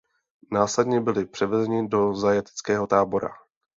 Následně byli převezeni do zajateckého tábora.